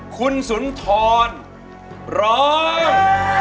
คุณสุนทรร้อง